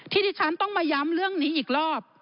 ที่ที่ฉันต้องมาย้ำเรื่องนี้อีกรอบ